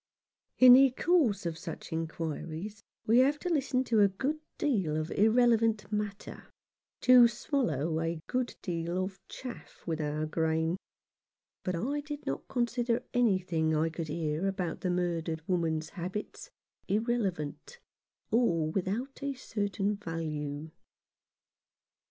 In the course of such inquiries we have to listen to a good deal of irrelevant matter, to swallow a good deal of chaff with our grain ; but I did not consider anything I could hear about the murdered woman's habits irrelevant, or without a certain value.